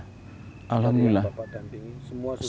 pada saat yang bapak dandingi semua sudah sudah